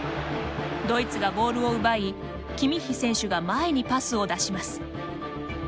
ドイツがボールを奪いキミッヒ選手が前にパスを出します。